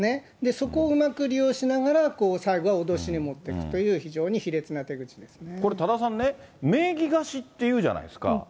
そこをうまく利用しながら、最後は脅しに持っていくという、これ、多田さんね、名義貸しっていうじゃないですか。